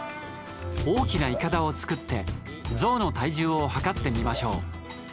大きないかだを作ってゾウの体重を量ってみましょう！